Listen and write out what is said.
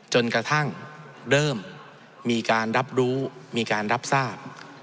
จนกระทั่งเริ่มมีการรับรู้มีการรับทราบ